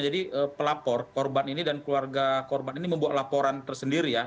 jadi pelapor korban ini dan keluarga korban ini membuat laporan tersendiri ya